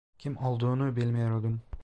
Kim olduğunu bilmiyordum.